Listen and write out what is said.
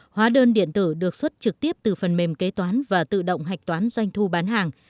hóa đơn điện tử được xuất trực tiếp từ phần mềm kế toán và tự động hạch toán doanh thu bán hàng